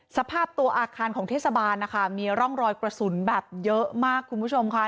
สภาพตัวอาคารของเทศบาลนะคะมีร่องรอยกระสุนแบบเยอะมากคุณผู้ชมค่ะ